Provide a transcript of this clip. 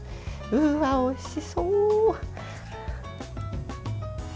うわー、おいしそう！